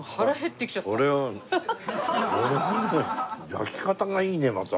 焼き方がいいねまた。